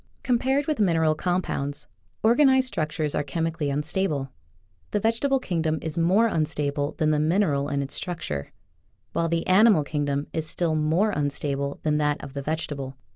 Compared with mineral compounds, organ ized structures are chemically unstable. The vegetable kingdom is more unstable than the mineral in its structure, while the animal kingdom is still more unstable than that of the vegetable.